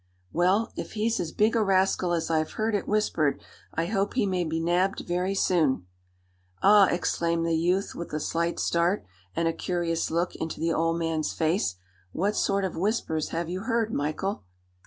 "Well, if he's as big a rascal as I've heard it whispered, I hope he may be nabbed very soon." "Ah!" exclaimed the youth, with a slight start, and a curious look into the old man's face, "what sort of whispers have you heard, Michael?"